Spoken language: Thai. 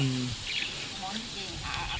มันจริงครับ